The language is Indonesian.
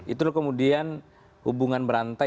itu kemudian hubungan berantai